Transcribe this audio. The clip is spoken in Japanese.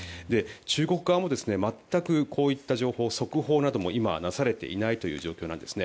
中国側も全くこういった情報速報なども今はなされていない状況なんです。